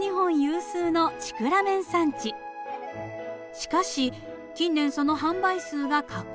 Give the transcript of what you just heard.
しかし近年その販売数が下降。